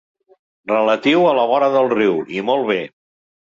Relatiu a la vora del riu, i molt bé.